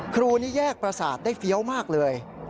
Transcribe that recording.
ครูนี่แยกประสาทได้เฟี้ยวมากเลย